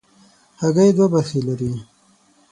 هګۍ دوه برخې لري.